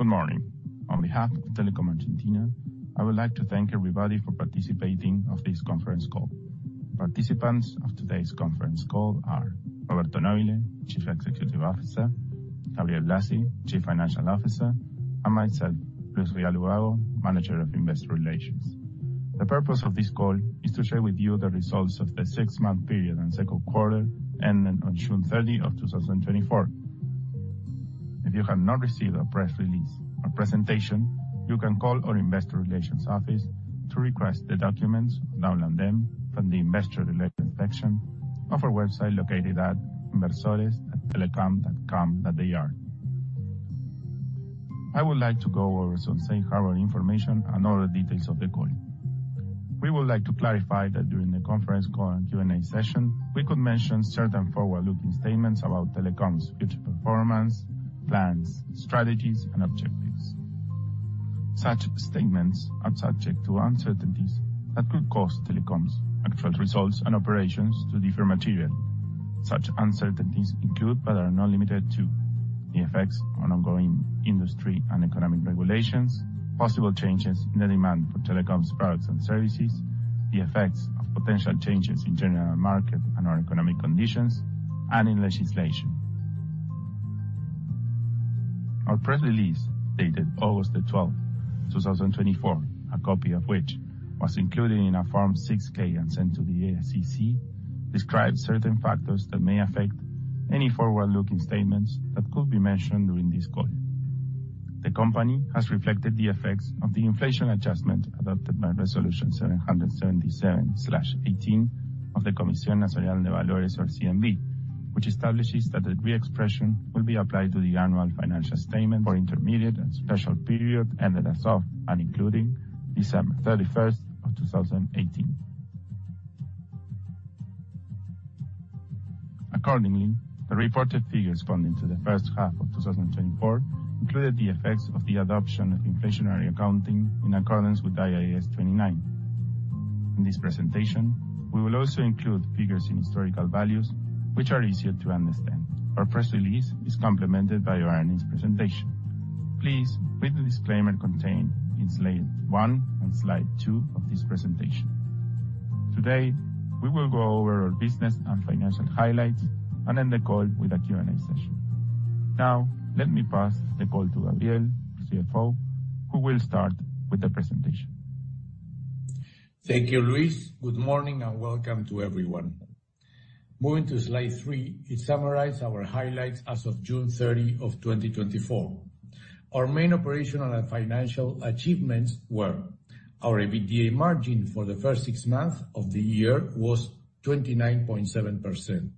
Good morning. On behalf of Telecom Argentina, I would like to thank everybody for participating in this conference call. Participants of today's conference call are Roberto Nobile, Chief Executive Officer, Gabriel Blasi, Chief Financial Officer, and myself, Luis Rial Ubago, Manager of Investor Relations. The purpose of this call is to share with you the results of the six-month period and second quarter ending on June 30, 2024. If you have not received a press release or presentation, you can call our Investor Relations Office to request the documents or download them from the Investor Relations section of our website located at inversorestelecom.com. I would like to go over some safe harbor information and other details of the call. We would like to clarify that during the conference call and Q&A session, we could mention certain forward-looking statements about Telecom's future performance, plans, strategies, and objectives. Such statements are subject to uncertainties that could cause Telecom's actual results and operations to differ materially. Such uncertainties include, but are not limited to, the effects on ongoing industry and economic regulations, possible changes in the demand for Telecom's products and services, the effects of potential changes in general market and our economic conditions, and in legislation. Our press release dated August 12, 2024, a copy of which was included in a Form 6-K and sent to the ASCC, describes certain factors that may affect any forward-looking statements that could be mentioned during this call. The company has reflected the effects of the inflation adjustment adopted by Resolution 777/18 of the Comisión Nacional de Valores or CNV, which establishes that the re-expression will be applied to the annual financial statement for intermediate and special periods ending as of and including December 31st, 2018. Accordingly, the reported figures pertaining to the first half of 2024 include the effects of the adoption of inflationary accounting in accordance with IAS 29. In this presentation, we will also include figures in historical values, which are easier to understand. Our press release is complemented by our earnings presentation. Please read the disclaimer contained in slide one and slide two of this presentation. Today, we will go over our business and financial highlights and end the call with a Q&A session. Now, let me pass the call to Gabriel, the CFO, who will start with the presentation. Thank you, Luis. Good morning and welcome to everyone. Moving to slide three, it summarizes our highlights as of June 30, 2024. Our main operational and financial achievements were our EBITDA margin for the first six months of the year was 29.7%.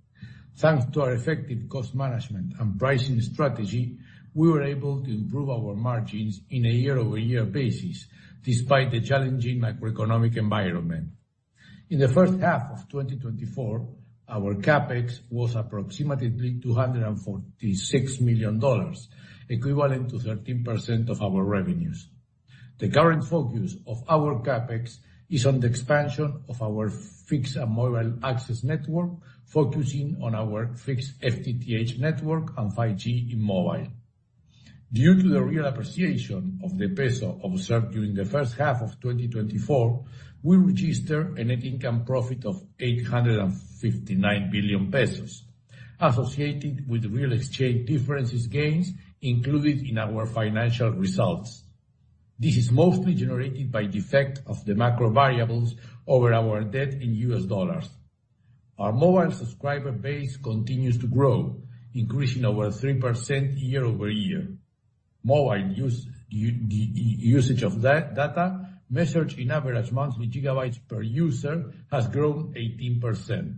Thanks to our effective cost management and pricing strategy, we were able to improve our margins on a year-over-year basis despite the challenging macroeconomic environment. In the first half of 2024, our CapEx was approximately $246 million, equivalent to 13% of our revenues. The current focus of our CapEx is on the expansion of our fixed and mobile access network, focusing on our fixed fiber to the home network and 5G in mobile. Due to the real appreciation of the peso observed during the first half of 2024, we registered a net income profit of 859 billion pesos, associated with real exchange gains included in our financial results. This is mostly generated by the effect of the macro variables over our debt in U.S. dollars. Our mobile subscriber base continues to grow, increasing over 3% year-over-year. Mobile usage of that data measured in average monthly gigabytes per user has grown 18%.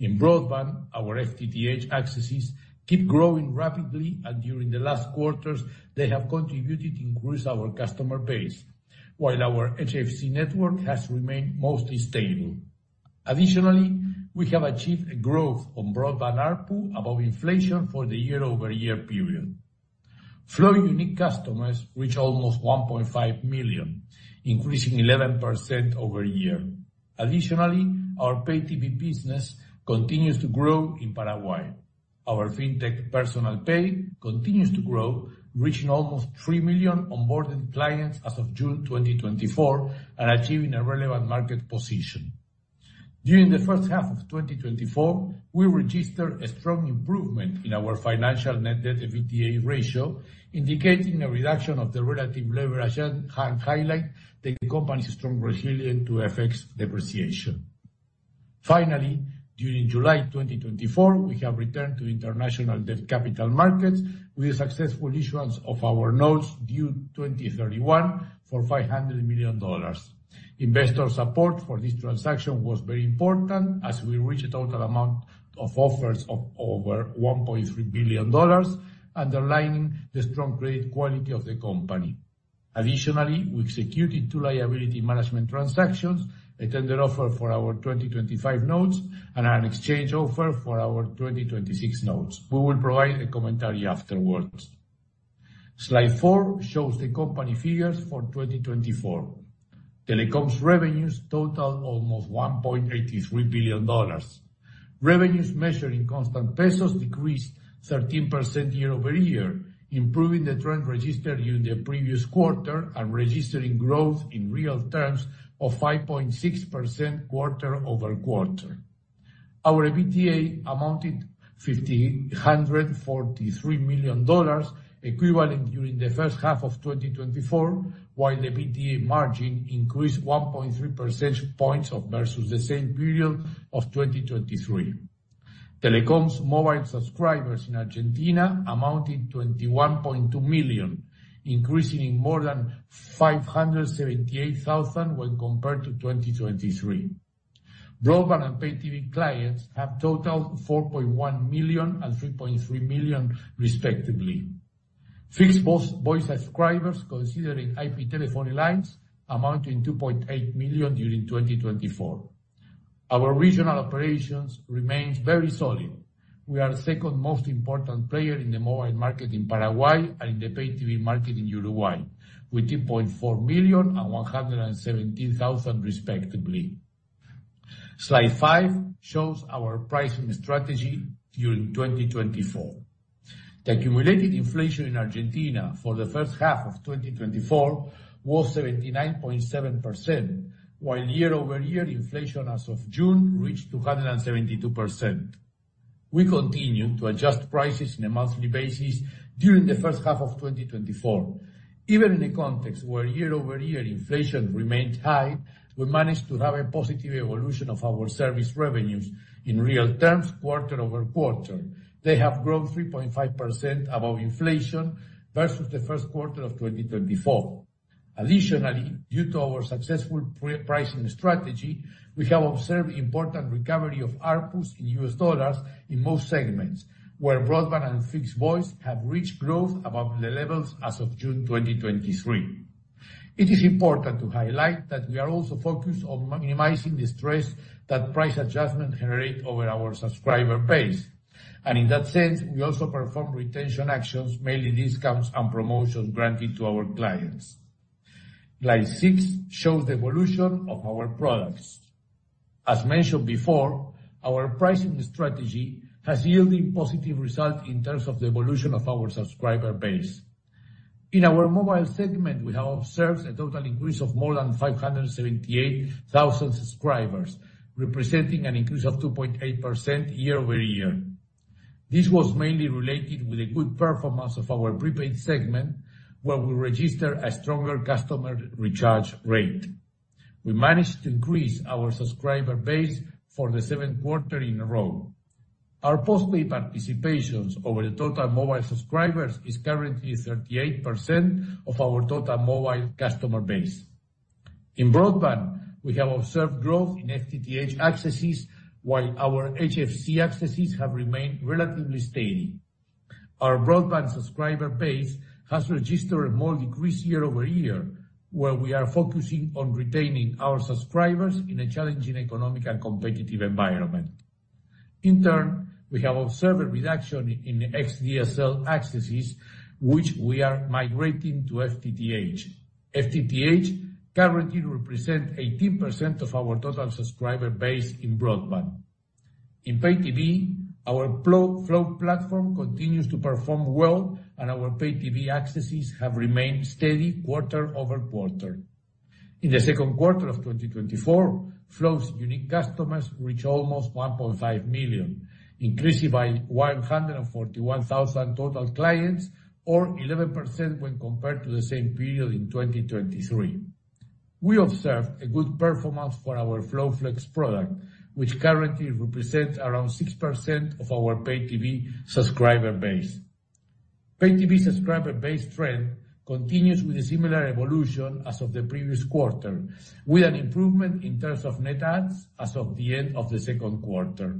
In broadband, our FTTH accesses keep growing rapidly, and during the last quarters, they have contributed to increase our customer base, while our HFC network has remained mostly stable. Additionally, we have achieved a growth on broadband ARPU above inflation for the year-over-year period. Flowing unique customers reach almost 1.5 million, increasing 11% over year. Additionally, our Pay TV business continues to grow in Paraguay. Our fintech Personal Pay continues to grow, reaching almost 3 million onboarded clients as of June 2024 and achieving a relevant market position. During the first half of 2024, we registered a strong improvement in our financial net debt/EBITDA ratio, indicating a reduction of the relative leverage and highlighting the company's strong resilience to FX depreciation. Finally, during July 2024, we have returned to international debt capital markets with successful note issuance due 2031 for $500 million. Investor support for this transaction was very important as we reached a total amount of offers of over $1.3 billion, underlining the strong credit quality of the company. Additionally, we executed two liability management transactions, a tender offer for our 2025 notes and an exchange offer for our 2026 notes. We will provide a commentary afterwards. Slide four shows the company figures for 2024. Telecom's revenues total almost $1.83 billion. Revenues measured in constant pesos decreased 13% year-over-year, improving the trend registered during the previous quarter and registering growth in real terms of 5.6% quarter-over-quarter. Our EBITDA amounted to $1.543 billion, equivalent during the first half of 2024, while the EBITDA margin increased 1.3 percentage points versus the same period of 2023. Telecom's mobile subscribers in Argentina amounted to 21.2 million, increasing more than 578,000 when compared to 2023. Broadband and Pay TV clients have totaled 4.1 million and 3.3 million, respectively. Fixed Voice subscribers considering IP telephone lines amount to 2.8 million during 2024. Our regional operations remain very solid. We are the second most important player in the mobile market in Paraguay and in the Pay TV market in Uruguay, with 2.4 million and 117,000, respectively. Slide five shows our pricing strategy during 2024. The accumulated inflation in Argentina for the first half of 2024 was 79.7%, while year-over-year inflation as of June reached 272%. We continue to adjust prices on a monthly basis during the first half of 2024. Even in a context where year-over-year inflation remains high, we managed to have a positive evolution of our service revenues in real terms quarter-over-quarter. They have grown 3.5% above inflation versus the first quarter of 2024. Additionally, due to our successful pricing strategy, we have observed an important recovery of ARPUs in U.S. dollars in most segments, where broadband and Fixed Voice have reached growth above the levels as of June 2023. It is important to highlight that we are also focused on minimizing the stress that price adjustments generate over our subscriber base. In that sense, we also perform retention actions, mainly discounts and promotions granted to our clients. Slide six shows the evolution of our products. As mentioned before, our pricing strategy has yielded positive results in terms of the evolution of our subscriber base. In our mobile segment, we have observed a total increase of more than 578,000 subscribers, representing an increase of 2.8% year-over-year. This was mainly related to the good performance of our prepaid segment, where we registered a stronger customer recharge rate. We managed to increase our subscriber base for the seventh quarter in a row. Our postpaid participation over the total mobile subscribers is currently 38% of our total mobile customer base. In broadband, we have observed growth in FTTH accesses, while our HFC accesses have remained relatively steady. Our broadband subscriber base has registered a more decreased year-over-year, where we are focusing on retaining our subscribers in a challenging economic and competitive environment. In turn, we have observed a reduction in the xDSL accesses, which we are migrating to FTTH. FTTH currently represents 18% of our total subscriber base in broadband. In Pay TV, our Flow platform continues to perform well, and our Pay TV accesses have remained steady quarter-over-quarter. In the second quarter of 2024, Flow's unique customers reached almost 1.5 million, increasing by 141,000 total clients, or 11% when compared to the same period in 2023. We observed a good performance for our Flow Flex product, which currently represents around 6% of our Pay TV subscriber base. Pay TV subscriber base trend continues with a similar evolution as of the previous quarter, with an improvement in terms of net ads as of the end of the second quarter.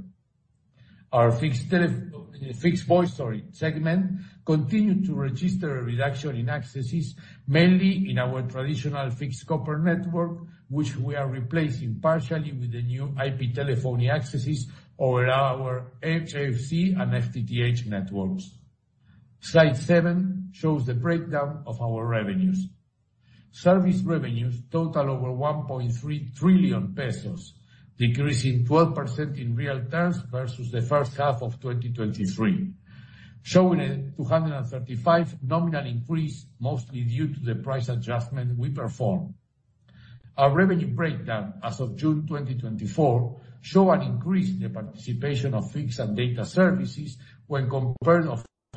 Our Fixed Voice segment continues to register a reduction in accesses, mainly in our traditional fixed copper network, which we are replacing partially with the new IP telephony accesses over our HFC and FTTH networks. Slide seven shows the breakdown of our revenues. Service revenues total over 1.3 trillion pesos, decreasing 12% in real terms versus the first half of 2023, showing a 235% nominal increase, mostly due to the price adjustment we performed. Our revenue breakdown as of June 2024 shows an increase in the participation of fixed and data services when compared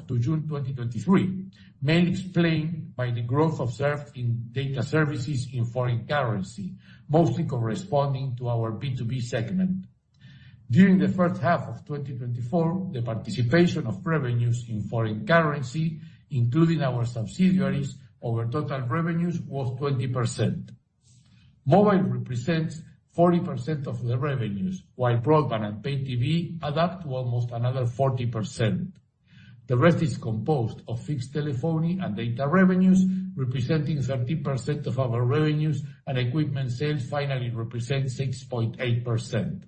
to June 2023, mainly explained by the growth observed in data services in foreign currency, mostly corresponding to our B2B segment. During the first half of 2024, the participation of revenues in foreign currency, including our subsidiaries, over total revenues was 20%. Mobile represents 40% of the revenues, while broadband and Pay TV add up to almost another 40%. The rest is composed of fixed telephony and data revenues, representing 13% of our revenues, and equipment sales finally represent 6.8%.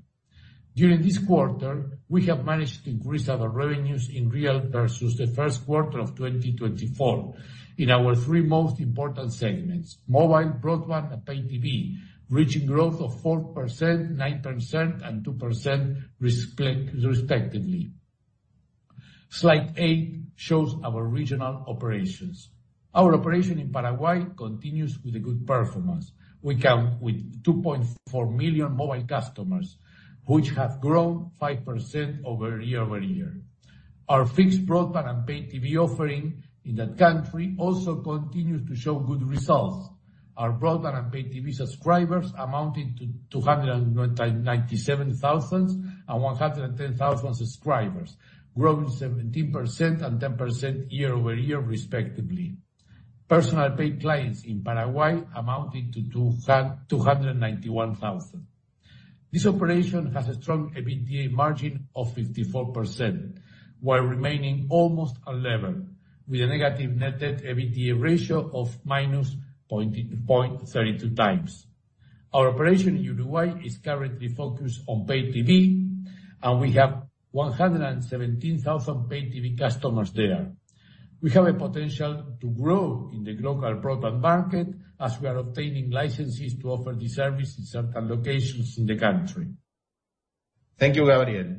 During this quarter, we have managed to increase our revenues in real versus the first quarter of 2024 in our three most important segments: mobile, broadband, and Pay TV, reaching growth of 4%, 9%, and 2%, respectively. Slide eight shows our regional operations. Our operation in Paraguay continues with a good performance. We come with 2.4 million mobile customers, which have grown 5% year-over-year. Our fixed broadband and Pay TV offering in that country also continues to show good results. Our broadband and Pay TV subscribers amounted to 297,000 and 110,000 subscribers, growing 17% and 10% year-over-year, respectively. Personal Pay clients in Paraguay amounted to 291,000. This operation has a strong EBITDA margin of 54%, while remaining almost at level, with a negative net debt/EBITDA ratio of -0.32x. Our operation in Uruguay is currently focused on Pay TV, and we have 117,000 Pay TV customers there. We have a potential to grow in the global broadband market as we are obtaining licenses to offer these services in certain locations in the country. Thank you, Gabriel.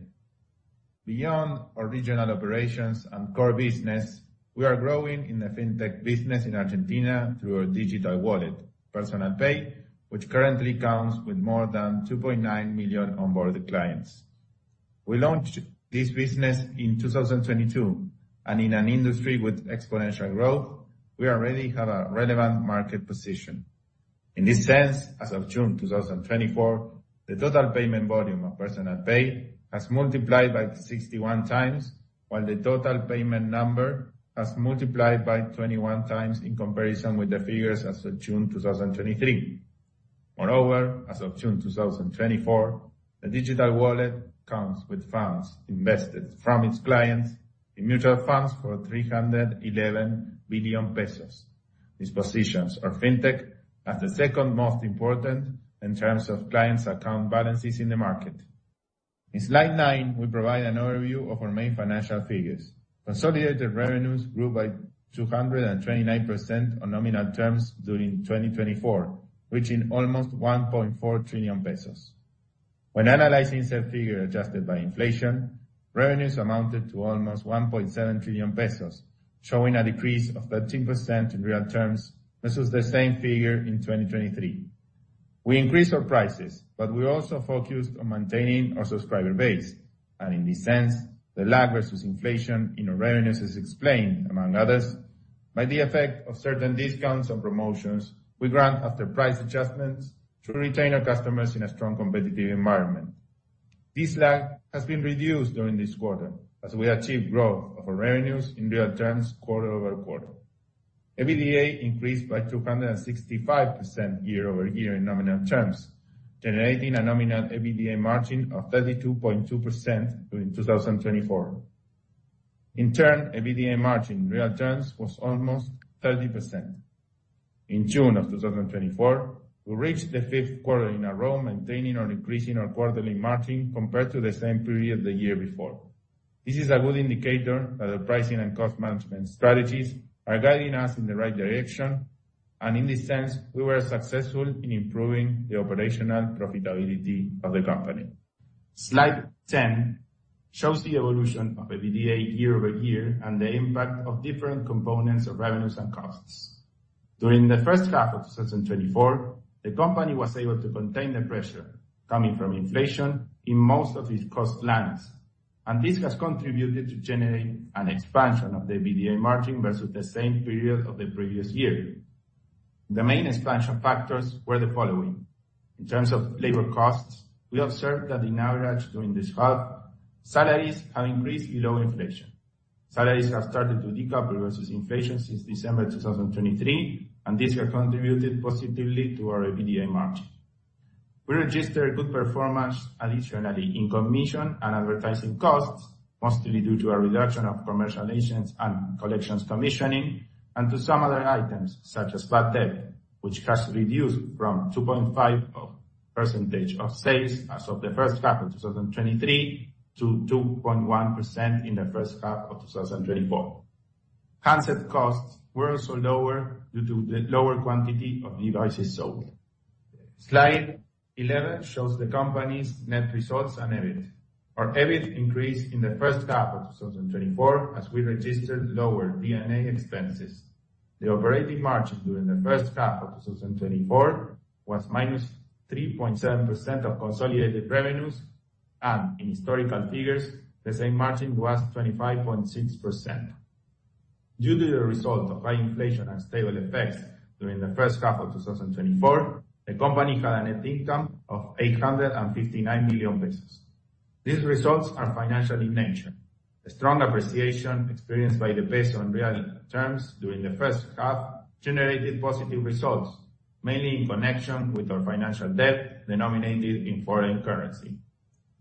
Beyond our regional operations and core business, we are growing in the fintech business in Argentina through our digital wallet, Personal Pay, which currently counts with more than 2.9 million onboarded clients. We launched this business in 2022, and in an industry with exponential growth, we already have a relevant market position. In this sense, as of June 2024, the total payment volume of Personal Pay has multiplied by 61x, while the total payment number has multiplied by 21x in comparison with the figures as of June 2023. Moreover, as of June 2024, the digital wallet counts with funds invested from its clients in mutual funds for $311 billion pesos. This positions our fintech as the second most important in terms of clients' account balances in the market. In slide nine, we provide an overview of our main financial figures. Consolidated revenues grew by 229% in nominal terms during 2024, reaching almost $1.4 trillion pesos. When analyzing said figure adjusted by inflation, revenues amounted to almost $1.7 trillion pesos, showing a decrease of 13% in real terms versus the same figure in 2023. We increased our prices, but we also focused on maintaining our subscriber base. In this sense, the lag versus inflation in our revenues is explained, among others, by the effect of certain discounts and promotions we grant after price adjustments to retain our customers in a strong competitive environment. This lag has been reduced during this quarter, as we achieved growth of our revenues in real terms quarter-over-quarter. EBITDA increased by 265% year-over-year in nominal terms, generating a nominal EBITDA margin of 32.2% during 2024. In turn, EBITDA margin in real terms was almost 30%. In June 2024, we reached the fifth quarter in a row, maintaining or increasing our quarterly margin compared to the same period the year before. This is a good indicator that our pricing and cost management strategies are guiding us in the right direction, and in this sense, we were successful in improving the operational profitability of the company. Slide 10 shows the evolution of EBITDA year-over-year and the impact of different components of revenues and costs. During the first half of 2024, the company was able to contain the pressure coming from inflation in most of its cost lines, and this has contributed to generating an expansion of the EBITDA margin versus the same period of the previous year. The main expansion factors were the following: in terms of labor costs, we observed that in average during this half, salaries have increased below inflation. Salaries have started to decouple versus inflation since December 2023, and this has contributed positively to our EBITDA margin. We registered good performance additionally in commission and advertising costs, mostly due to our reduction of commercial agents and collections commissioning, and to some other items such as flat debt, which has reduced from 2.5% of sales as of the first half of 2023 to 2.1% in the first half of 2024. Concept costs were also lower due to the lower quantity of devices sold. Slide 11 shows the company's net results and EBIT. Our EBIT increased in the first half of 2024 as we registered lower D&A expenses. The operating margin during the first half of 2024 was -3.7% of consolidated revenues, and in historical figures, the same margin was 25.6%. Due to the result of high inflation and stable effects during the first half of 2024, the company had a net income of 859 million pesos. These results are financially in nature. The strong appreciation experienced by the peso in real terms during the first half generated positive results, mainly in connection with our financial debt denominated in foreign currency.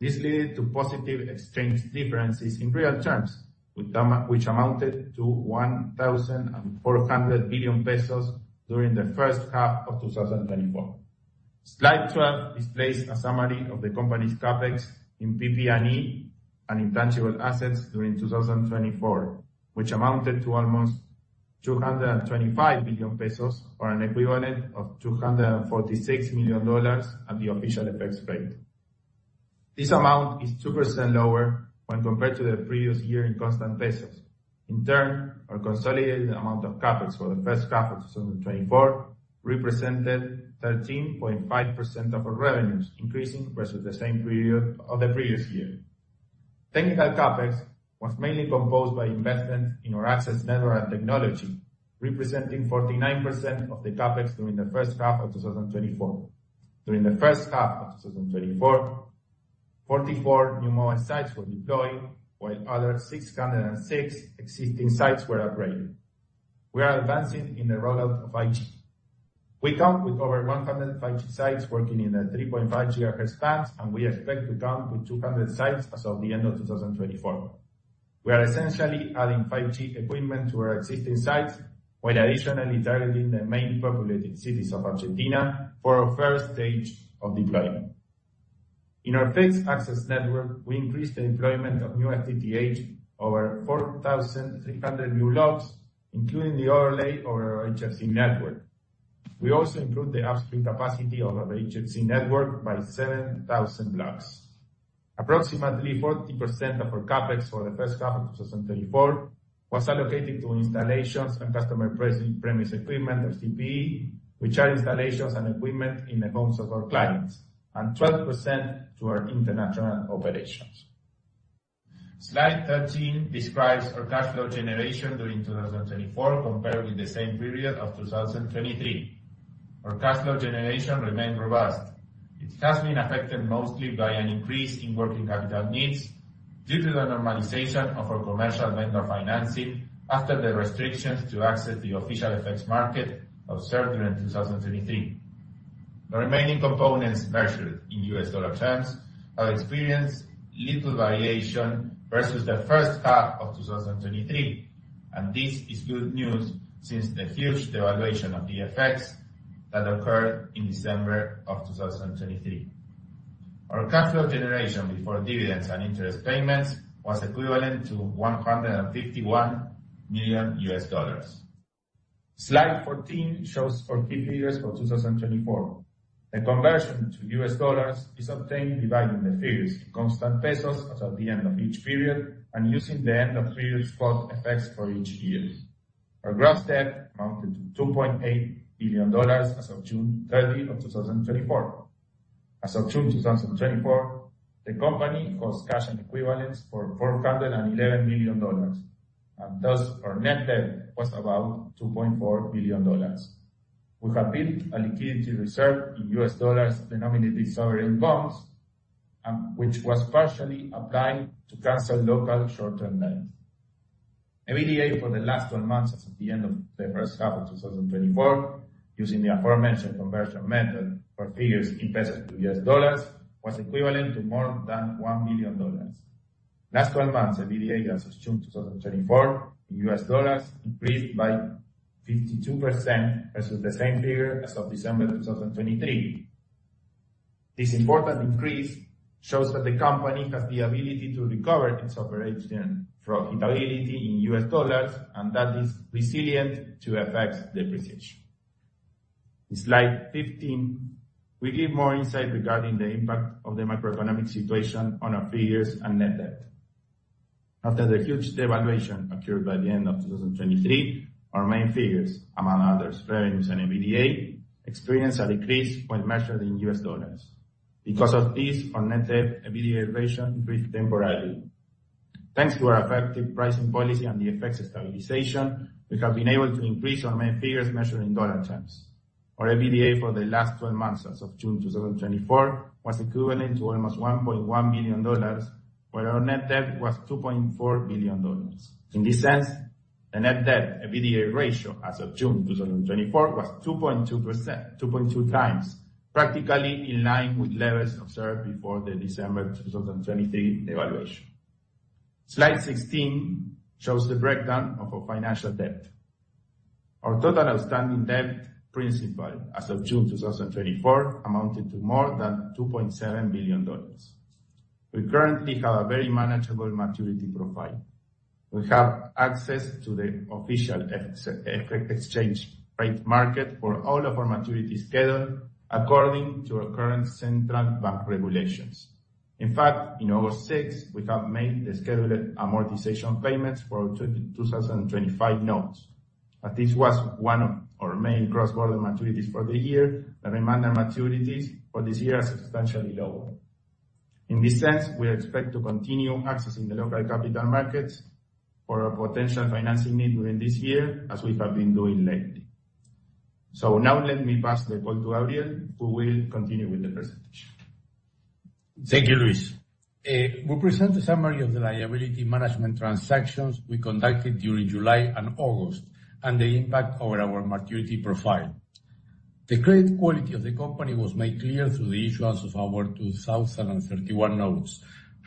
This led to positive exchange differences in real terms, which amounted to 1,400 billion pesos during the first half of 2024. Slide 12 displays a summary of the company's CapEx in PP&E and intangible assets during 2024, which amounted to almost 225 billion pesos, or an equivalent of $246 million at the official effects rate. This amount is 2% lower when compared to the previous year in constant pesos. In turn, our consolidated amount of CapEx for the first half of 2024 represented 13.5% of our revenues, increasing versus the same period of the previous year. Technical CapEx was mainly composed by investments in our asset memory and technology, representing 49% of the CapEx during the first half of 2024. During the first half of 2024, 44 new mobile sites were deployed, while other 606 existing sites were operating. We are advancing in the rollout of 5G. We count with over 100 5G sites working in a 3.5 GHz band, and we expect to count with 200 sites as of the end of 2024. We are essentially adding 5G equipment to our existing sites, while additionally targeting the mainly populated cities of Argentina for our first stage of deployment. In our fixed access network, we increased the deployment of new fiber to the home over 4,300 new lots, including the overlay of our HFC network. We also improved the upstream capacity of our HFC network by 7,000 lots. Approximately 40% of our CapEx for the first half of 2024 was allocated to installations and customer premise equipment, or CPE, which are installations and equipment in the homes of our clients, and 12% to our international operations. Slide 13 describes our cash flow generation during 2024 compared with the same period of 2023. Our cash flow generation remained robust. It has been affected mostly by an increase in working capital needs due to the normalization of our commercial landlord financing after the restrictions to access the official FX market observed during 2023. The remaining components measured in U.S. dollar terms have experienced little variation versus the first half of 2023, and this is good news since the huge devaluation of the FX that occurred in December of 2023. Our cash flow generation before dividends and interest payments was equivalent to $151 million. Slide 14 shows for CapEx for 2024. A conversion to U.S. dollars is obtained dividing the figures in constant pesos at the end of each period and using the end of period spot FX for each year. Our gross debt amounted to $2.8 billion as of June 30, 2024. As of June 2024, the company holds cash and equivalents for $411 million, and thus our net debt was about $2.4 billion. We have built a liquidity reserve in U.S. dollar denominated sovereign bonds, which was partially applied to cancel local short-term loans. EBITDA for the last 12 months at the end of the first half of 2024, using the aforementioned conversion method for figures in pesos to U.S. dollars, was equivalent to more than $1 billion. Last 12 months EBITDA as of June 2024 in U.S. dollars increased by 52% as with the same figure as of December 2023. This important increase shows that the company has the ability to recover its operational profitability in U.S. dollars and that it is resilient to FX depreciation. In slide 15, we give more insight regarding the impact of the macroeconomic situation on our figures and net debt. After the huge devaluation occurred by the end of 2023, our main figures, among others, revenues and EBITDA experienced a decrease when measured in U.S. dollars. Because of this, our net debt/EBITDA ratio increased temporarily. Thanks to our effective pricing policy and the FX stabilization, we have been able to increase our main figures measured in dollar terms. Our EBITDA for the last 12 months as of June 2024 was equivalent to almost $1.1 billion, where our net debt was $2.4 billion. In this sense, the net debt/EBITDA ratio as of June 2024 was 2.2x, practically in line with levels observed before the December 2023 devaluation. Slide 16 shows the breakdown of our financial debt. Our total outstanding debt principal, as of June 2024, amounted to more than $2.7 billion. We currently have a very manageable maturity profile. We have access to the official FX exchange rate market for all of our maturities scheduled according to our current central bank regulations. In fact, on August 6, we have made the scheduled amortization payments for 2025 notes. This was one of our main cross-border maturities for the year. The remainder maturities for this year are substantially lower. In this sense, we expect to continue accessing the local capital markets for our potential financing needs during this year, as we have been doing lately. Let me pass the call to Gabriel, who will continue with the presentation. Thank you, Luis. We'll present a summary of the liability management transactions we conducted during July and August and the impact over our maturity profile. The credit quality of the company was made clear through the issuance of our 2031 notes.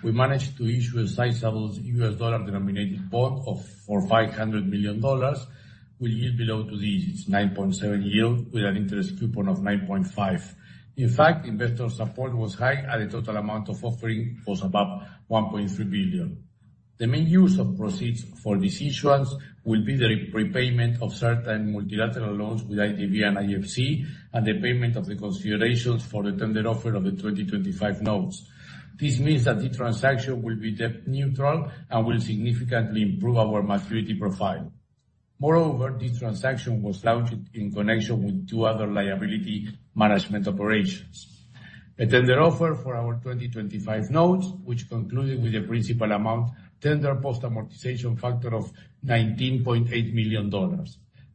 We managed to issue a sizable U.S. dollar denominated quote of over $500 million, with yield below the 9.7% yield with an interest throughput of 9.5%. In fact, investor support was high, and the total amount of offering was about $1.3 billion. The main use of proceeds for this issuance will be the repayment of certain multilateral loans with IDB and IFC, and the payment of the considerations for the tender offer of the 2025 notes. This means that this transaction will be debt neutral and will significantly improve our maturity profile. Moreover, this transaction was launched in connection with two other liability management operations. A tender offer for our 2025 notes, which concluded with a principal amount tender post-amortization factor of $19.8 million.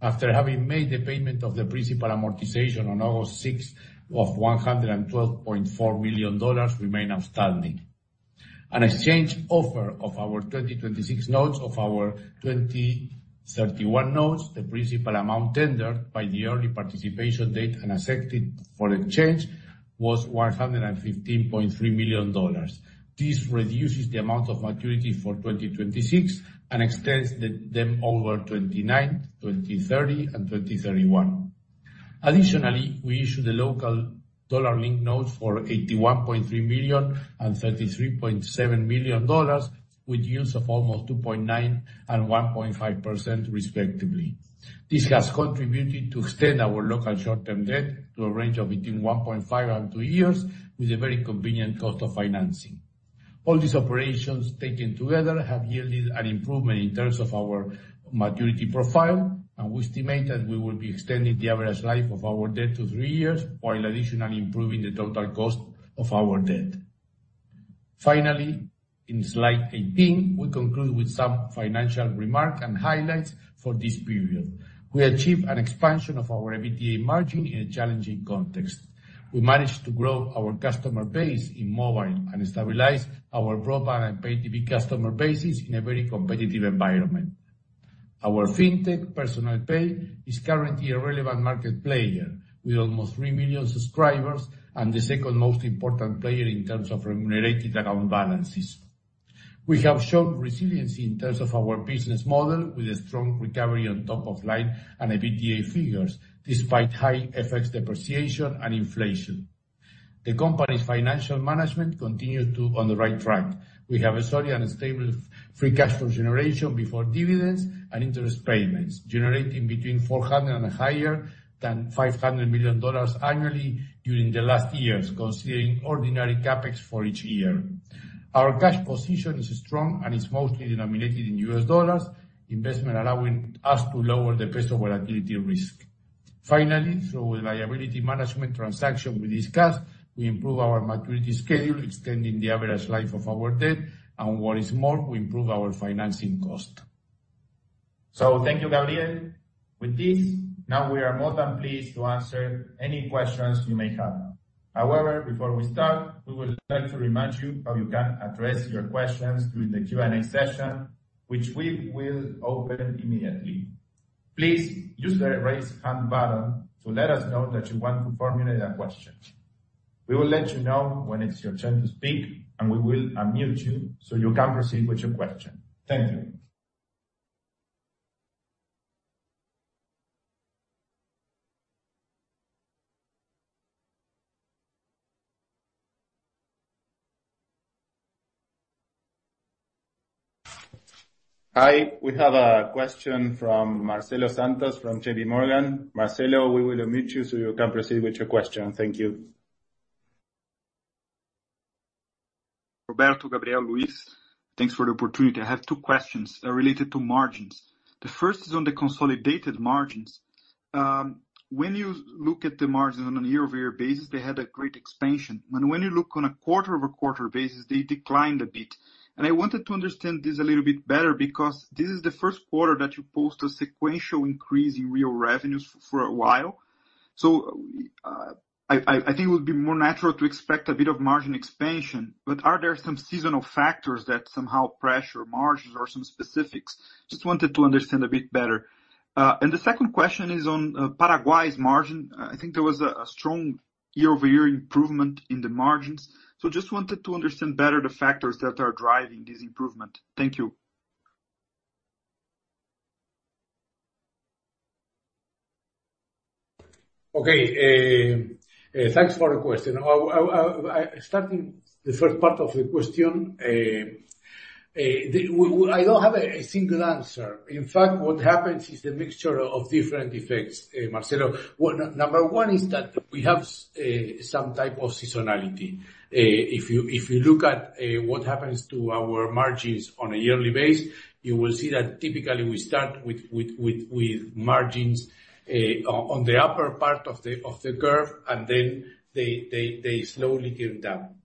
After having made the payment of the principal amortization on August 6, $112.4 million remained outstanding. An exchange offer of our 2026 notes for our 2031 notes, the principal amount tendered by the early participation date and accepted for exchange was $115.3 million. This reduces the amount of maturity for 2026 and extends them over 2029, 2030, and 2031. Additionally, we issued the local dollar link notes for $81.3 million and $33.7 million, with the use of almost 2.9% and 1.5% respectively. This has contributed to extend our local short-term debt to a range of between 1.5 and two years, with a very convenient cost of financing. All these operations taken together have yielded an improvement in terms of our maturity profile, and we estimate that we will be extending the average life of our debt to three years, while additionally improving the total cost of our debt. Finally, in slide 18, we conclude with some financial remarks and highlights for this period. We achieved an expansion of our EBITDA margin in a challenging context. We managed to grow our customer base in mobile and stabilize our broadband and Pay TV customer bases in a very competitive environment. Our fintech Personal Pay is currently a relevant market player, with almost 3 million subscribers and the second most important player in terms of remunerated account balances. We have shown resiliency in terms of our business model, with a strong recovery on top of line and EBITDA figures, despite high FX depreciation and inflation. The company's financial management continues on the right front. We have a solid and stable free cash flow generation before dividends and interest payments, generating between $400 million and higher than $500 million annually during the last years, considering ordinary CapEx for each year. Our cash position is strong and is mostly denominated in U.S. dollars, allowing us to lower the peso volatility risk. Finally, through the liability management transaction we discussed, we improve our maturity schedule, extending the average life of our debt, and what is more, we improve our financing cost. Thank you, Gabriel. With this, now we are more than pleased to answer any questions you may have. However, before we start, we would like to remind you how you can address your questions during the Q&A session, which we will open immediately. Please use the raise hand button to let us know that you want to formulate a question. We will let you know when it's your turn to speak, and we will unmute you so you can proceed with your question. Thank you. Hi, we have a question from Marcelo Santos from JPMorgan. Marcelo, we will unmute you so you can proceed with your question. Thank you. Roberto, Gabriel, Luis. Thanks for the opportunity. I have two questions related to margins. The first is on the consolidated margins. When you look at the margins on a year-over-year basis, they had a great expansion. When you look on a quarter-over-quarter basis, they declined a bit. I wanted to understand this a little bit better because this is the first quarter that you post a sequential increase in real revenues for a while. I think it would be more natural to expect a bit of margin expansion. Are there some seasonal factors that somehow pressure margins or some specifics? Just wanted to understand a bit better. The second question is on Paraguay's margin. I think there was a strong year-over-year improvement in the margins. Just wanted to understand better the factors that are driving this improvement. Thank you. Okay. Thanks for the question. Starting the first part of the question, I don't have a single answer. In fact, what happens is a mixture of different effects, Marcelo. Number one is that we have some type of seasonality. If you look at what happens to our margins on a yearly basis, you will see that typically we start with margins on the upper part of the curve, and then they slowly came down.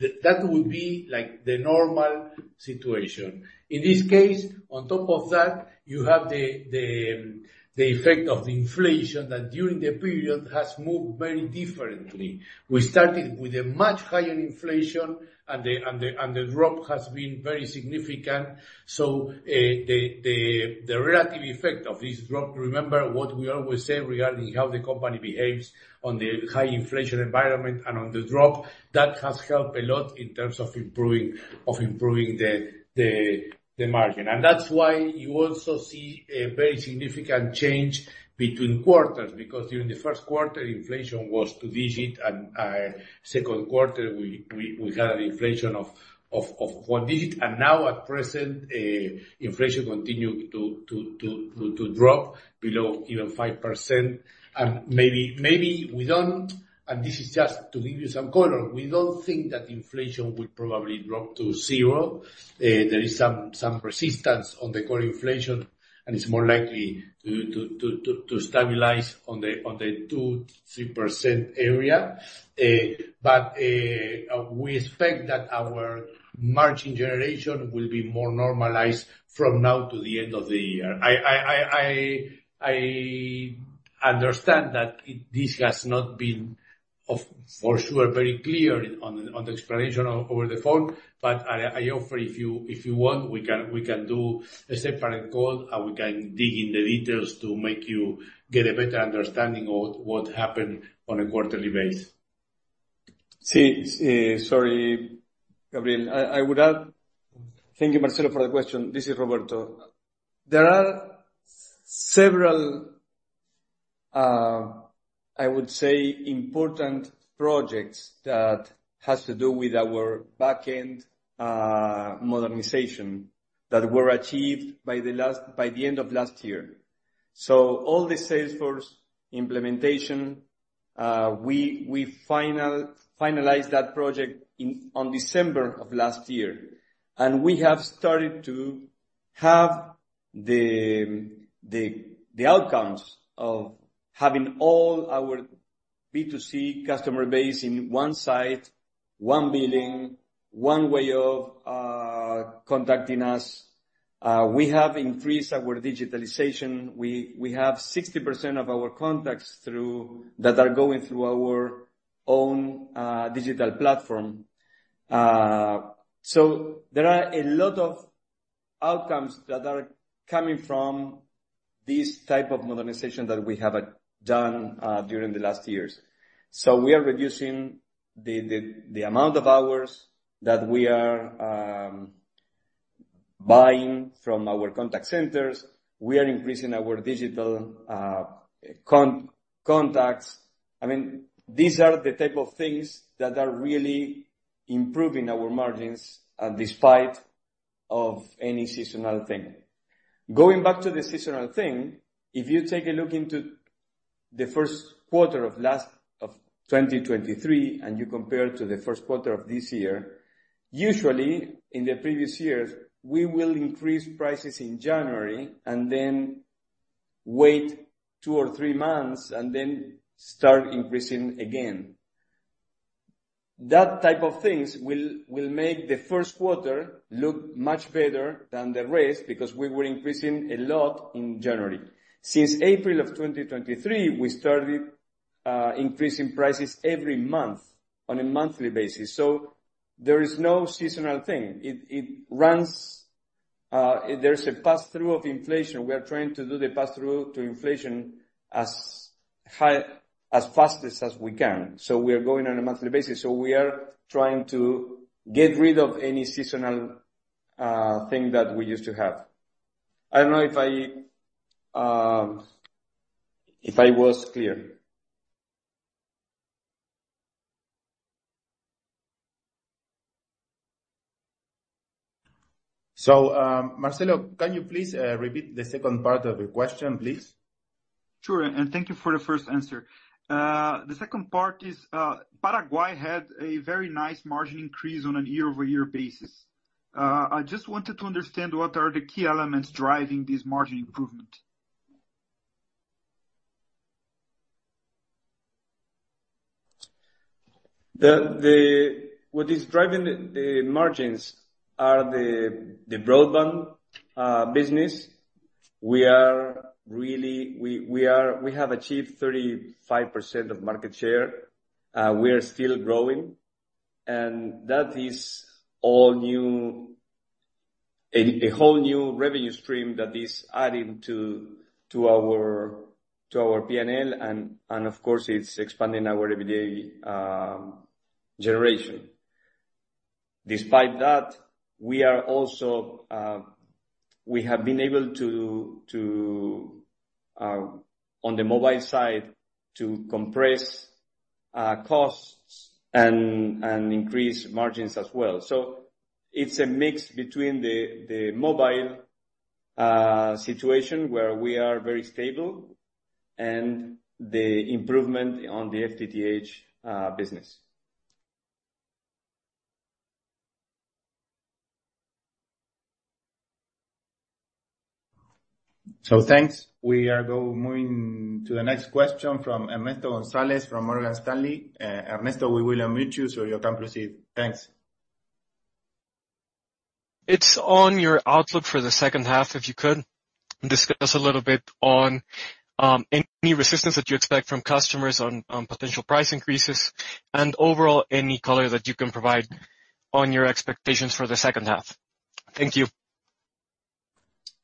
That would be like the normal situation. In this case, on top of that, you have the effect of inflation that during the period has moved very differently. We started with a much higher inflation, and the drop has been very significant. The relative effect of this drop, remember what we always say regarding how the company behaves on the high inflation environment and on the drop, that has helped a lot in terms of improving the margin. That's why you also see a very significant change between quarters because during the first quarter, inflation was two digits, and the second quarter, we had an inflation of one digit. Now at present, inflation continues to drop below even 5%. Maybe we don't, and this is just to give you some color, we don't think that inflation would probably drop to zero. There is some resistance on the core inflation, and it's more likely to stabilize on the 2%, 3% area. We expect that our margin generation will be more normalized from now to the end of the year. I understand that this has not been for sure very clear on the explanation over the phone, but I offer if you want, we can do a separate call, and we can dig in the details to make you get a better understanding of what happened on a quarterly basis. Sorry, Gabriel. I would add, thank you, Marcelo, for the question. This is Roberto. There are several, I would say, important projects that have to do with our backend modernization that were achieved by the end of last year. All the Salesforce implementation, we finalized that project in December of last year. We have started to have the outcomes of having all our B2C customer base in one site, one building, one way of contacting us. We have increased our digitalization. We have 60% of our contacts that are going through our own digital platform. There are a lot of outcomes that are coming from this type of modernization that we have done during the last years. We are reducing the amount of hours that we are buying from our contact centers. We are increasing our digital contacts. These are the type of things that are really improving our margins despite any seasonal thing. Going back to the seasonal thing, if you take a look into the first quarter of 2023 and you compare it to the first quarter of this year, usually in the previous years, we would increase prices in January and then wait two or three months and then start increasing again. That type of things would make the first quarter look much better than the rest because we were increasing a lot in January. Since April of 2023, we started increasing prices every month on a monthly basis. There is no seasonal thing. There's a pass-through of inflation. We are trying to do the pass-through to inflation as fast as we can. We are going on a monthly basis. We are trying to get rid of any seasonal thing that we used to have. I don't know if I was clear. Marcelo, can you please repeat the second part of the question, please? Sure. Thank you for the first answer. The second part is Paraguay had a very nice margin increase on a year-over-year basis. I just wanted to understand what are the key elements driving this margin improvement. What is driving the margins are the broadband business. We have achieved 35% of market share. We are still growing. That is a whole new revenue stream that is adding to our P&L. Of course, it's expanding our EBITDA generation. Despite that, we have been able to, on the mobile side, compress costs and increase margins as well. It's a mix between the mobile situation where we are very stable and the improvement on the fiber to the home business. Thanks. We are going to the next question from Ernesto González from Morgan Stanley. Ernesto, we will unmute you so you can proceed. Thanks. It's on your outlook for the second half, if you could discuss a little bit on any resistance that you expect from customers on potential price increases, and overall any color that you can provide on your expectations for the second half. Thank you.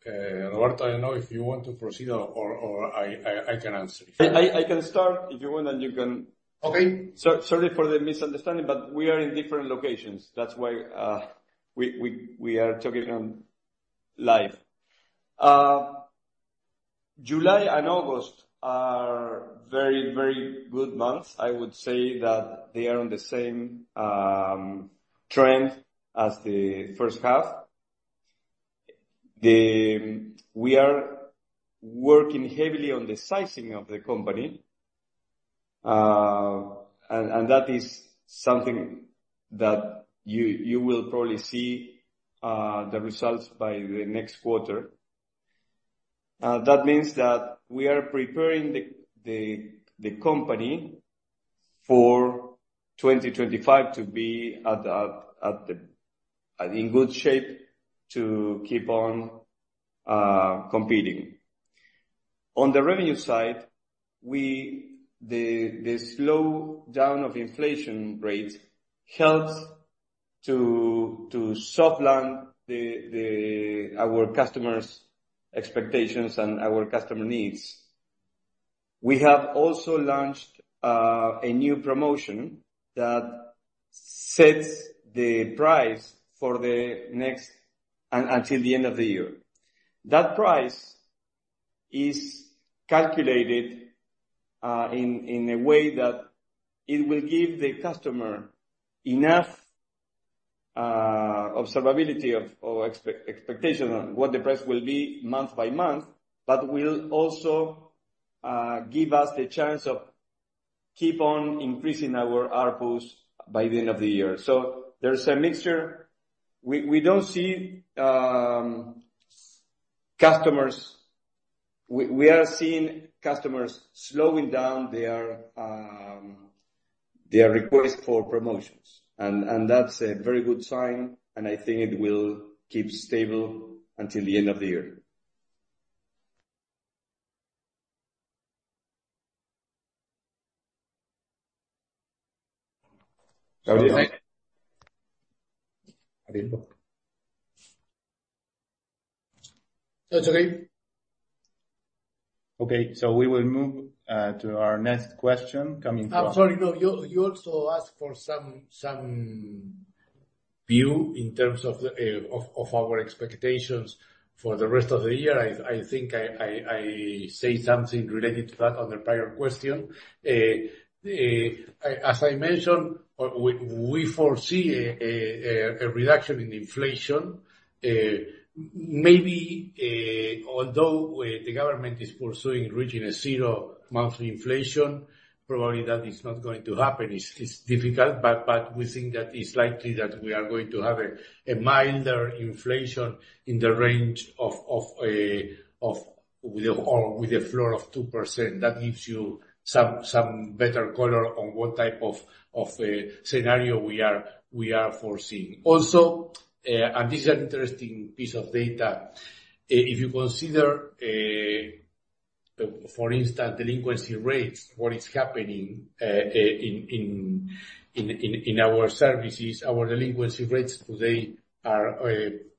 Roberto, I don't know if you want to proceed or I can answer. I can start if you want, and you can. Okay. Sorry for the misunderstanding, but we are in different locations. That's why we are talking on live. July and August are very, very good months. I would say that they are on the same trend as the first half. We are working heavily on the sizing of the company, and that is something that you will probably see the results by the next quarter. That means that we are preparing the company for 2025 to be in good shape to keep on competing. On the revenue side, the slowdown of inflation rates helps to softland our customers' expectations and our customer needs. We have also launched a new promotion that sets the price for the next until the end of the year. That price is calculated in a way that it will give the customer enough observability or expectation on what the price will be month by month, but will also give us the chance of keeping on increasing our ARPUs by the end of the year. There's a mixture. We are seeing customers slowing down their requests for promotions. That's a very good sign, and I think it will keep stable until the end of the year. Okay. Okay. We will move to our next question coming from. I'm sorry. No, you also asked for some view in terms of our expectations for the rest of the year. I think I say something related to that on the prior question. As I mentioned, we foresee a reduction in inflation. Maybe, although the government is pursuing reaching a zero monthly inflation, probably that is not going to happen. It's difficult, but we think that it's likely that we are going to have a milder inflation in the range of with a floor of 2%. That gives you some better color on what type of scenario we are foreseeing. Also, and this is an interesting piece of data, if you consider, for instance, delinquency rates, what is happening in our services, our delinquency rates today are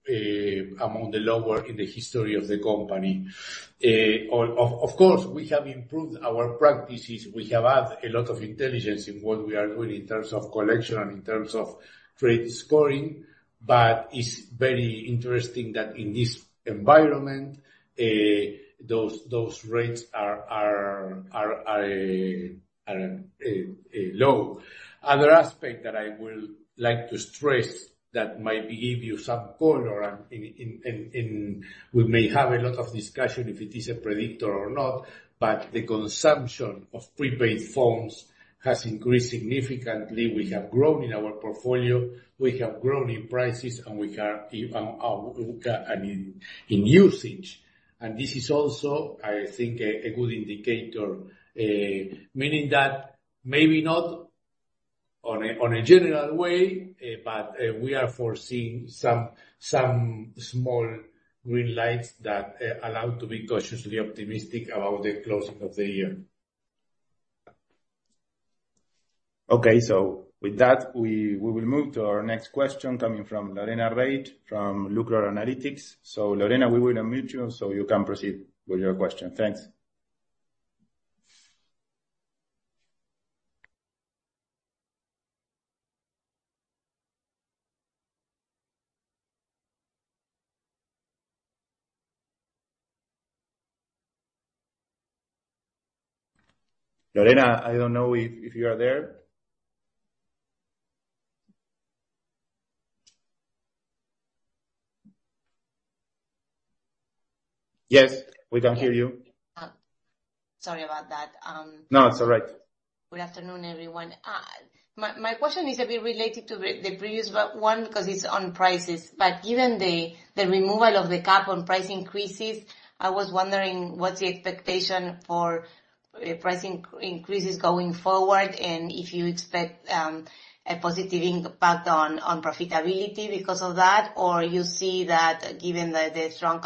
among the lowest in the history of the company. Of course, we have improved our practices. We have added a lot of intelligence in what we are doing in terms of collection and in terms of trade scoring. It's very interesting that in this environment, those rates are low. Another aspect that I would like to stress that might give you some color, and we may have a lot of discussion if it is a predictor or not, is that the consumption of prepaid phones has increased significantly. We have grown in our portfolio. We have grown in prices and we have in usage. This is also, I think, a good indicator, meaning that maybe not in a general way, but we are foreseeing some small green lights that allow us to be cautiously optimistic about the closing of the year. Okay. With that, we will move to our next question coming from Lorena Reich from Lucror Analytics. Lorena, we will unmute you so you can proceed with your question. Thanks. Lorena, I don't know if you are there. Yes, we can hear you. Sorry about that. No, it's all right. Good afternoon, everyone. My question is a bit related to the previous one because it's on prices. Given the removal of the cap on price increases, I was wondering what's the expectation for price increases going forward and if you expect a positive impact on profitability because of that, or you see that given the strong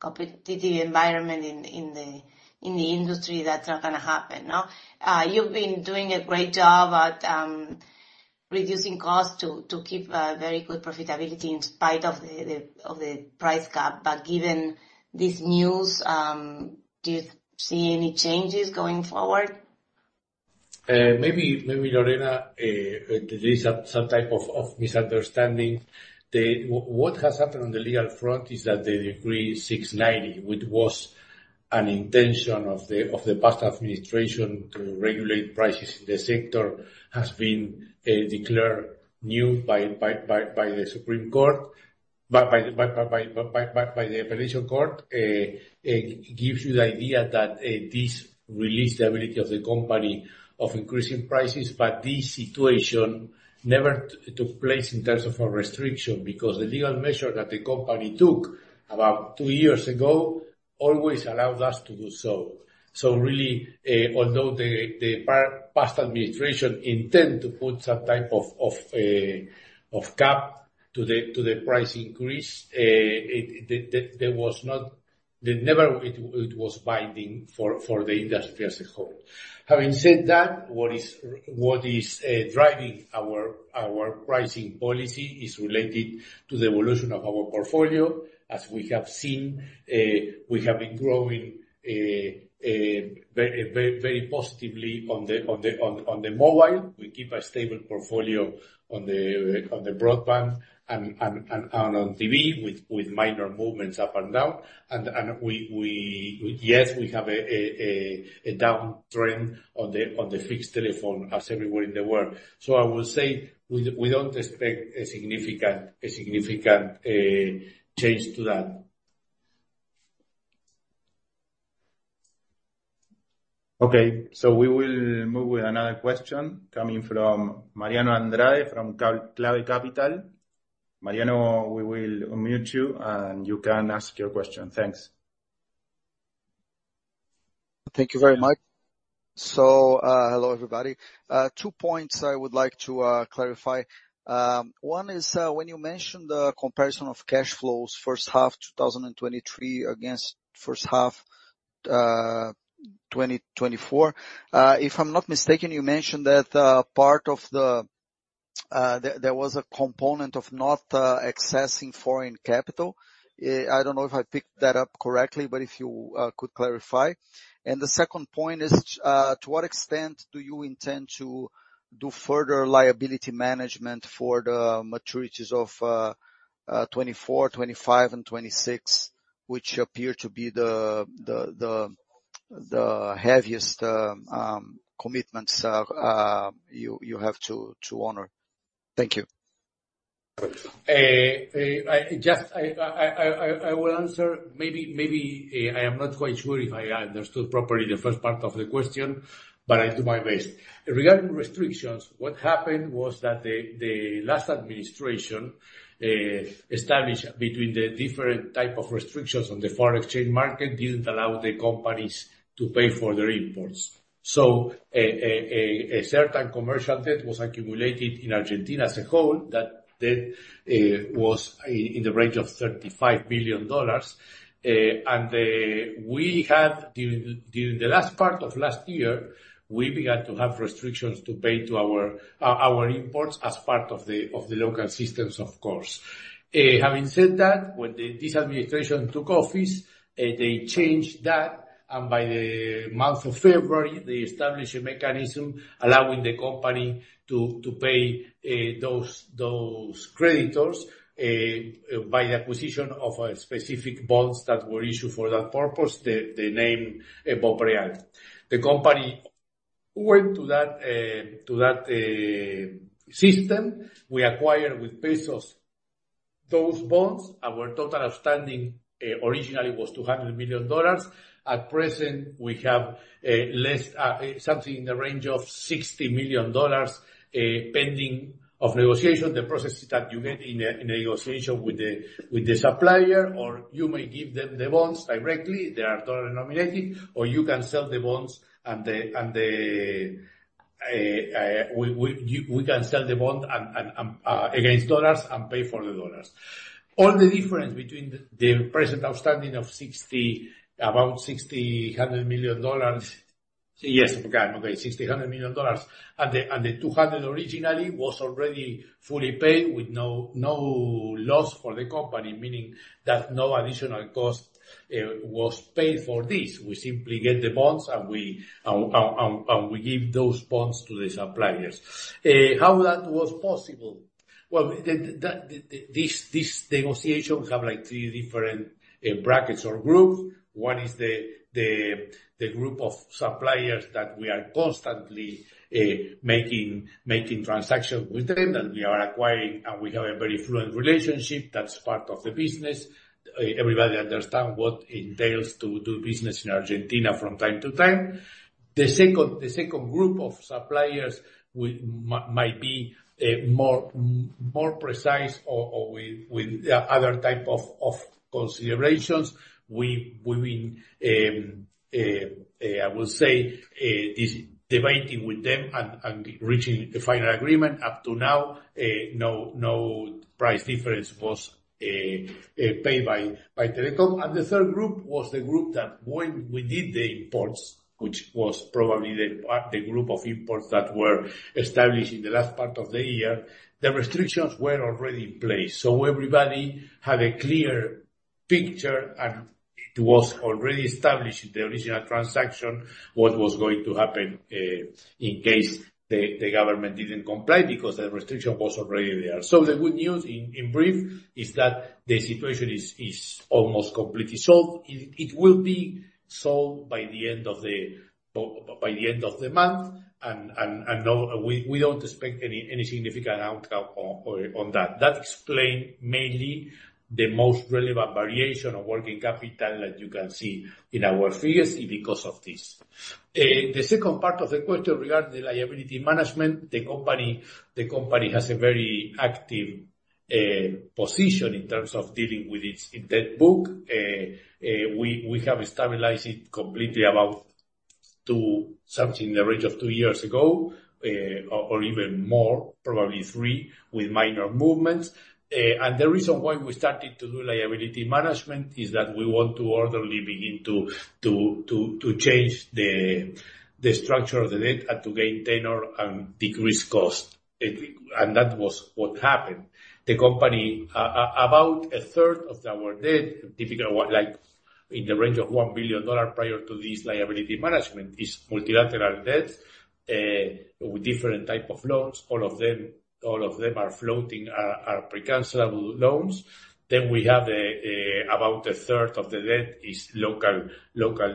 competitive environment in the industry, that's not going to happen. You've been doing a great job at reducing costs to keep very good profitability in spite of the price cap. Given this news, do you see any changes going forward? Maybe, Lorena, there is some type of misunderstanding. What has happened on the legal front is that the decree 690, which was an intention of the past administration to regulate prices in the sector, has been declared new by the Supreme Court, by the Appellation Court, gives you the idea that this relieves the ability of the company of increasing prices. This situation never took place in terms of a restriction because the legal measure that the company took about two years ago always allowed us to do so. Really, although the past administration intended to put some type of cap to the price increase, it never was binding for the industry as a whole. Having said that, what is driving our pricing policy is related to the evolution of our portfolio. As we have seen, we have been growing very positively on the mobile. We keep a stable portfolio on the broadband and on TV with minor movements up and down. Yes, we have a downtrend on the fixed telephone as everywhere in the world. I would say we don't expect a significant change to that. Okay, we will move with another question coming from Mariano Andrade from Clave Capital. Mariano, we will unmute you, and you can ask your question. Thanks. Thank you very much. Hello, everybody. Two points I would like to clarify. One is when you mentioned the comparison of cash flows, first half 2023 against first half 2024. If I'm not mistaken, you mentioned that part of the there was a component of not accessing foreign capital. I don't know if I picked that up correctly, but if you could clarify. The second point is to what extent do you intend to do further liability management for the maturities of 2024, 2025, and 2026, which appear to be the heaviest commitments you have to honor. Thank you. Yeah, I will answer. Maybe I am not quite sure if I understood properly the first part of the question, but I'll do my best. Regarding restrictions, what happened was that the last administration established, between the different types of restrictions on the foreign exchange market, didn't allow the companies to pay for their imports. A certain commercial debt was accumulated in Argentina as a whole. That debt was in the range of $35 billion. During the last part of last year, we began to have restrictions to pay our imports as part of the local systems, of course. Having said that, when this administration took office, they changed that. By the month of February, they established a mechanism allowing the company to pay those creditors by the acquisition of specific bonds that were issued for that purpose, the name BOPREAL. The company went to that system. We acquired with pesos those bonds. Our total outstanding originally was $200 million. At present, we have something in the range of $60 million pending negotiation, the process that you get in a negotiation with the supplier, or you may give them the bonds directly. They are dollar denominated, or you can sell the bonds, and we can sell the bond against dollars and pay for the dollars. All the difference between the present outstanding of $60 million, about $600 million. Yes, I forgot. Okay, $600 million. And the $200 million originally was already fully paid with no loss for the company, meaning that no additional cost was paid for this. We simply get the bonds, and we give those bonds to the suppliers. How that was possible? These negotiations have like three different brackets or groups. One is the group of suppliers that we are constantly making transactions with, that we are acquiring, and we have a very fluent relationship. That's part of the business. Everybody understands what it entails to do business in Argentina from time to time. The second group of suppliers might be more precise or with other types of considerations. We've been, I will say, debating with them and reaching a final agreement. Up to now, no price difference was paid by Telecom. The third group was the group that when we did the imports, which was probably the group of imports that were established in the last part of the year, the restrictions were already in place. Everybody had a clear picture, and it was already established in the original transaction what was going to happen in case the government didn't comply because the restriction was already there. The good news, in brief, is that the situation is almost completely solved. It will be solved by the end of the month, and we don't expect any significant outcome on that. That explains mainly the most relevant variation of working capital that you can see in our figures because of this. The second part of the question regarding the liability management, the company has a very active position in terms of dealing with its debt book. We have stabilized it completely about something in the range of two years ago, or even more, probably three, with minor movements. The reason why we started to do liability management is that we want to orderly begin to change the structure of the debt and to gain tenor and decrease costs. That was what happened. The company, about a third of our debt, typically like in the range of $1 billion prior to this liability management, is multilateral debt with different types of loans. All of them are floating, are pre-cancelable loans. Then we have about a third of the debt is local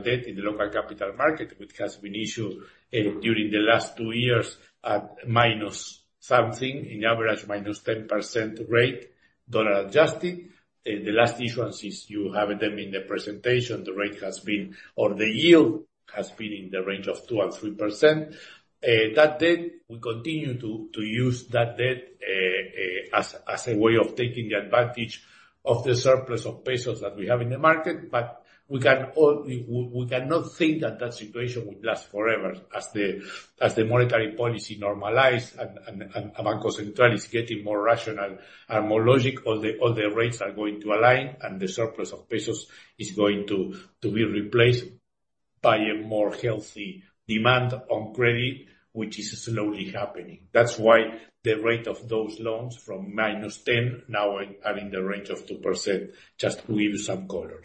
debt in the local capital market, which has been issued during the last two years at minus something, in average, -10% rate dollar adjusted. The last issuance is you have them in the presentation. The rate has been, or the yield has been in the range of 2% and 3%. That debt, we continue to use that debt as a way of taking advantage of the surplus of pesos that we have in the market. We cannot think that that situation will last forever as the monetary policy normalizes and the Banco Central is getting more rational and more logical. All the rates are going to align, and the surplus of pesos is going to be replaced by a more healthy demand on credit, which is slowly happening. That's why the rate of those loans from -10% now are in the range of 2%, just to give you some color.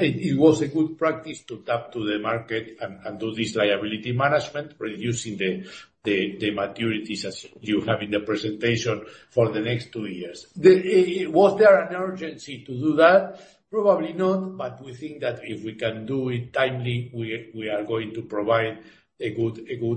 It was a good practice to tap into the market and do this liability management, reducing the maturities as you have in the presentation for the next two years. Was there an urgency to do that? Probably not, but we think that if we can do it timely, we are going to provide a good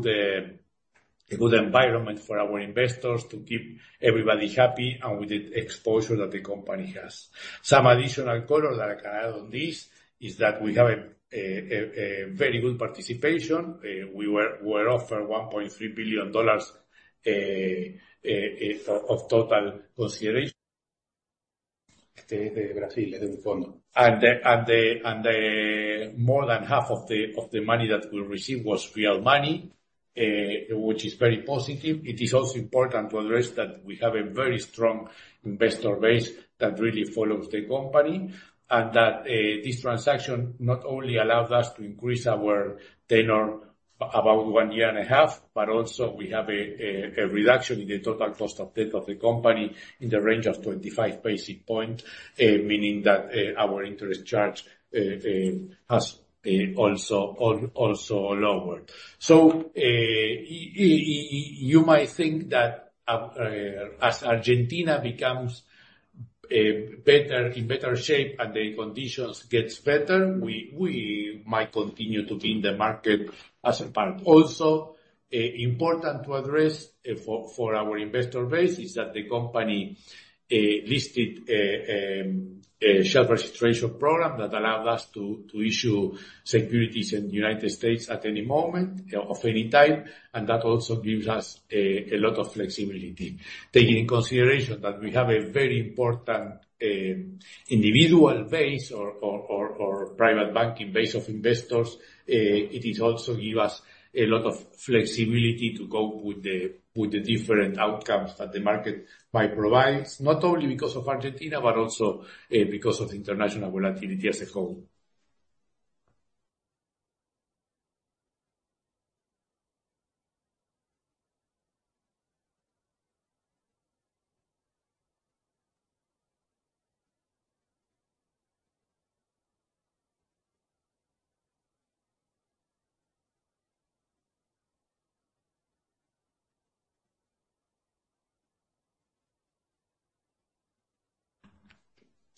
environment for our investors to keep everybody happy and with the exposure that the company has. Some additional color that I can add on this is that we have a very good participation. We were offered $1.3 billion of total consideration, and more than half of the money that we received was real money, which is very positive. It is also important to address that we have a very strong investor base that really follows the company and that this transaction not only allowed us to increase our tenor about one year and a half, but also we have a reduction in the total cost of debt of the company in the range of 25 basis points, meaning that our interest charge has also lowered. You might think that as Argentina becomes in better shape and the conditions get better, we might continue to gain the market as a part. Also, important to address for our investor base is that the company listed a shelf registration program that allowed us to issue securities in the United States at any moment of any type. That also gives us a lot of flexibility. Taking into consideration that we have a very important individual base or private banking base of investors, it also gives us a lot of flexibility to go with the different outcomes that the market might provide, not only because of Argentina, but also because of international volatility as a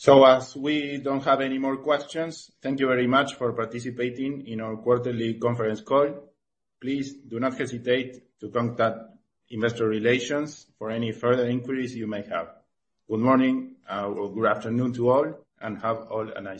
whole. As we don't have any more questions, thank you very much for participating in our quarterly conference call. Please do not hesitate to contact Investor Relations for any further inquiries you may have. Good morning or good afternoon to all, and have all a nice day.